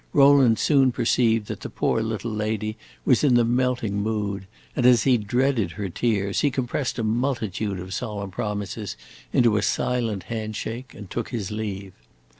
Rowland soon perceived that the poor little lady was in the melting mood, and, as he dreaded her tears, he compressed a multitude of solemn promises into a silent hand shake and took his leave.